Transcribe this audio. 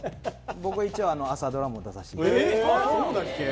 僕は朝ドラも出させていただきました。